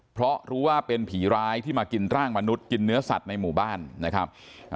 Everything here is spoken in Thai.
เพราะรู้ว่าเป็นผีร้ายที่มากินร่างมนุษย์กินเนื้อสัตว์ในหมู่บ้านนะครับ